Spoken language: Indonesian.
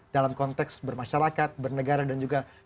dalam konteks bermasyarakat bernegara dan juga